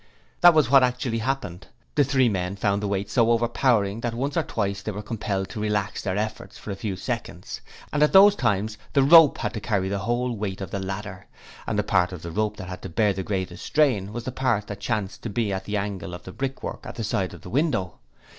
That was what actually happened. The three men found the weight so overpowering, that once or twice they were compelled to relax their efforts for a few seconds, and at those times the rope had to carry the whole weight of the ladder; and the part of the rope that had to bear the greatest strain was the part that chanced to be at the angle of the brickwork at the side of the window.